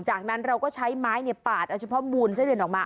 จากนั้นเราก็ใช้ไม้ปาดเอาเฉพาะมูลไส้เดือนออกมา